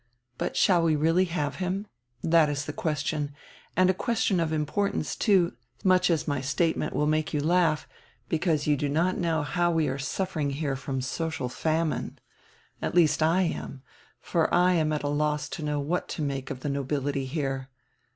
But shall we really have him? That is die question, and a question of import ance, too, much as my statement will make you laugh, because you do not know how we are suffering here from social famine. At least I am, for I am at a loss to know what to make of die nobility here.